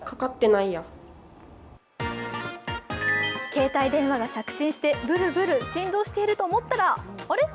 携帯電話が着信してブルブル振動してると思ったらあれっ？